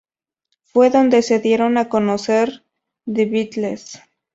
Fue donde se dieron a conocer The Beatles.